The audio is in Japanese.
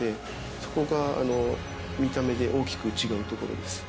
そこが見た目で大きく違うところです。